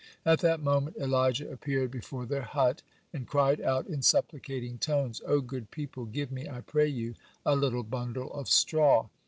At that moment Elijah appeared before their hut, and cried out in supplicating tones: "O good people, give me, I pray you, a little bundle of straw.